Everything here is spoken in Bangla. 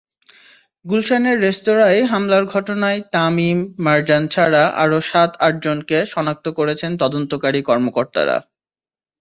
গুলশানের রেস্তোরাঁয় হামলার ঘটনায় তামিম, মারজান ছাড়া আরও সাত-আটজনকে শনাক্ত করেছেন তদন্তকারী কর্মকর্তারা।